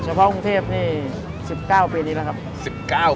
เพาะกรุงเทพนี่๑๙ปีนี้แล้วครับ